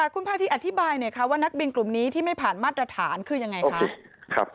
คุณพาธิอธิบายหน่อยคะว่านักบินกลุ่มนี้ที่ไม่ผ่านมาตรฐานคือยังไงคะ